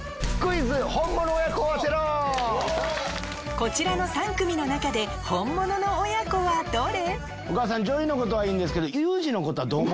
こちらの３組の中でホンモノの親子はどれ？